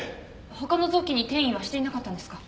他の臓器に転移はしていなかったんですか？